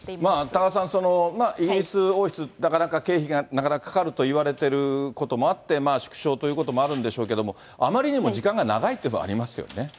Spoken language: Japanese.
多賀さん、イギリス王室、なかなか経費がなかなかかかるといわれてることもあって、縮小ということもあるんでしょうけれども、あまりにも時間が長いっていうのもありますよね。